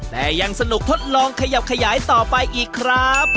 แต่ยังสนุกทดลองขยับขยายต่อไปอีกครับ